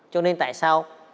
cho nên tại sao